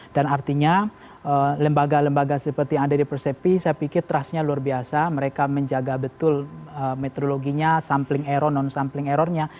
dan artinya lembaga lembaga seperti yang ada di persepi saya pikir trustnya luar biasa mereka menjaga betul metodologinya sampling error non sampling errornya